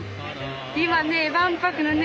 今ね万博のね